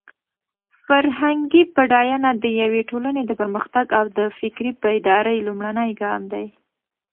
فرهنګي بډاینه د یوې ټولنې د پرمختګ او د فکري بیدارۍ لومړنی ګام دی.